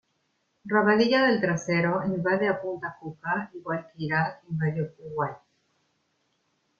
Rabadilla del Trasero invade a Punta Cuca igual que Irak invadió Kuwait.